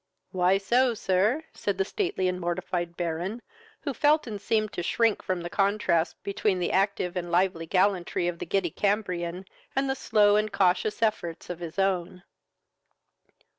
"Why so, sir?" said the stately and mortified Baron, who felt and seemed to shrink from the contrast between the active and lively gallantry of the giddy Cambrian and the slow and cautious efforts of his own.